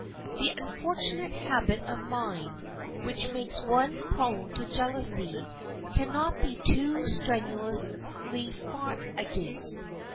The unfortunate habit of mind which makes one prone to jealousy can not be too strenuously fought against.